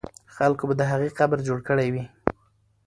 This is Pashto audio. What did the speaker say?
خلکو به د هغې قبر جوړ کړی وي.